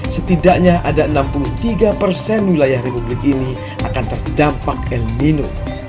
setidaknya ada enam puluh tiga persen wilayah republik ini akan terdampak el nino